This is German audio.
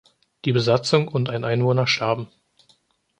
Die Besatzung und ein Einwohner starben.